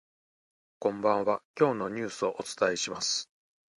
こんばんは、今日のニュースをお伝えします。